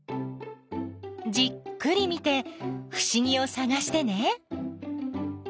じっくり見てふしぎをさがしてね。